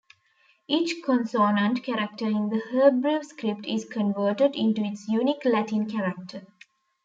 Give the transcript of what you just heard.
Each consonant character in the Hebrew script is converted into its unique Latin character.